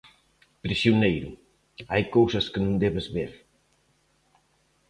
_Prisioneiro, hai cousas que non debes ver.